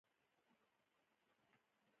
انټي بیوټیک څه وخت کارول کیږي؟